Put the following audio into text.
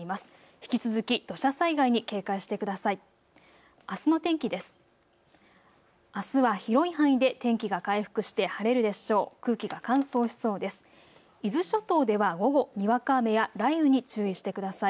引き続き土砂災害に警戒してください。